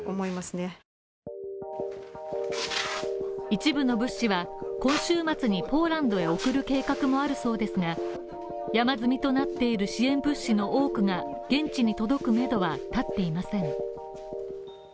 一部の物資は今週末にポーランドへ送る計画もあるそうですが山積みとなっている支援物資の多くが現地に届くめどは立っていません。